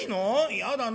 嫌だな」。